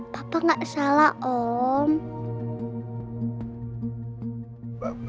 papa gak salah om